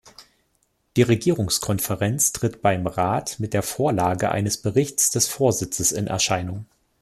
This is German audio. Die Regierungskonferenz tritt beim Rat mit der Vorlage eines Berichts des Vorsitzes in Erscheinung.